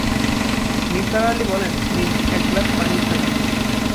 নিসার আলি বললেন, নিন, এক গ্লাস পানি খান।